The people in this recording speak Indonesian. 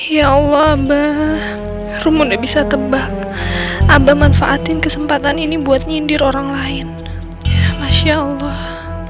ya allah abah rumu tidak bisa tebak abah manfaatin kesempatan ini buat nyindir orang lain masya allah